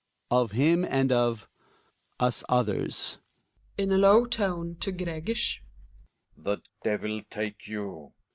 Of him and of — us others. Relling (in alow tone to Gregers). The devil take you